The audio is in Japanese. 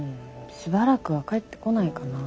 しばらくは帰ってこないかな。